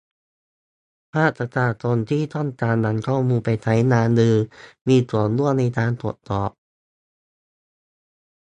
ภาคประชาชนที่ต้องการนำข้อมูลไปใช้งานหรือมีส่วนร่วมในการตรวจสอบ